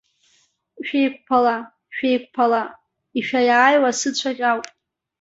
Шәеиқәԥала, шәеиқәԥала ишәаиааиуа сыцәаӷь иауп.